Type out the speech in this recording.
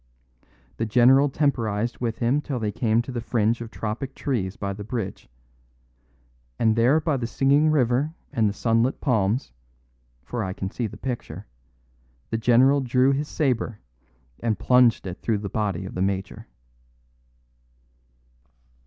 The general temporised with him till they came to the fringe of tropic trees by the bridge; and there by the singing river and the sunlit palms (for I can see the picture) the general drew his sabre and plunged it through the body of the major."